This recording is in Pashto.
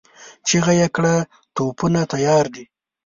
چيغه يې کړه! توپونه تيار دي؟